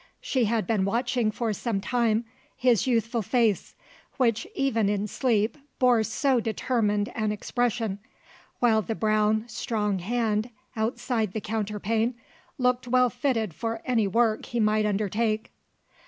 She had been watching for some time his youthful face, which even in sleep bore so determined an expression, while the brown, strong hand outside the counterpane looked well fitted for any work he might undertake.